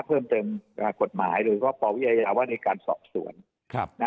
เพิ่มเติมกฎหมายโดยเฉพาะปวิทยาว่าในการสอบสวน